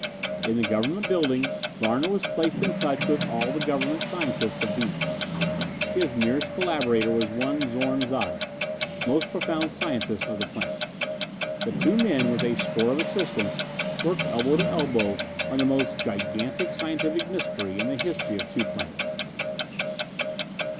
In the Government building Larner was placed in touch with all the Government scientists of Venus. His nearest collaborator was one Zorn Zada, most profound scientist of the planet. The two men, with a score of assistants, worked elbow to elbow on the most gigantic scientific mystery in the history of two planets.